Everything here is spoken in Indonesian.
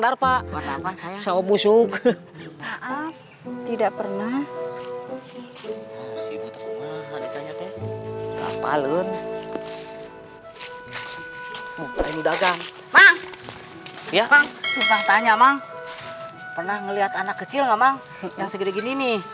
saya sudah melihat si raden